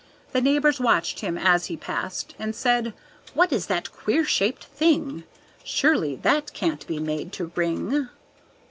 The neighbors watched him as he passed And said: "What is that queer shaped thing? Surely that can't be made to ring."